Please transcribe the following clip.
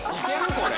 これ。